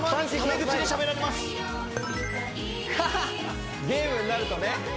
前にゲームになるとね